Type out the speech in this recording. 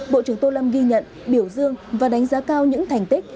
bộ trưởng tô lâm ghi nhận biểu dương và đánh giá cao những thành tích